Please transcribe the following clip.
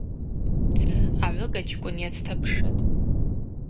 Агӏвыгачкӏвын йацтапшытӏ.